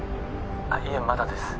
いえまだです